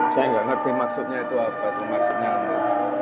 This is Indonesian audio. saya nggak ngerti maksudnya itu apa tuh maksudnya itu